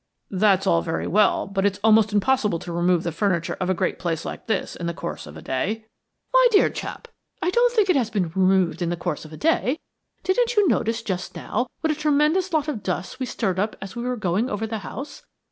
"That's all very well, but it is almost impossible to remove the furniture of a great place like this in the course of a day." "My dear chap, I don't think it has been removed in the course of a day. Didn't you notice just now what a tremendous lot of dust we stirred up as we were going over the house?